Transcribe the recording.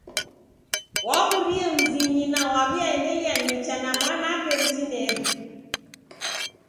Waw'urie mzinyi na waw'iaendelia nicha na mwanape mtinieri.